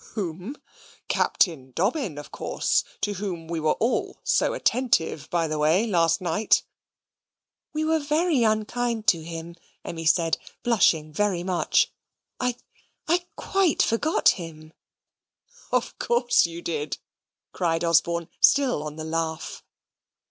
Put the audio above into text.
O whom? Captain Dobbin, of course, to whom we were all so attentive, by the way, last night." "We were very unkind to him," Emmy said, blushing very much. "I I quite forgot him." "Of course you did," cried Osborne, still on the laugh.